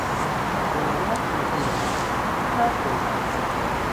به مادرت تلفن بزن; شاید دلتنگ باشد.